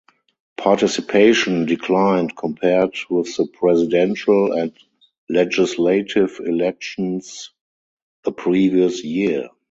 Participation declined compared with the presidential and legislative elections the previous year.